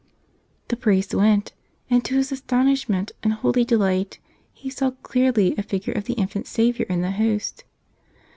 The priest went; and to his astonishment and holy delight he saw clearly a figure of the Infant Savior in the Host.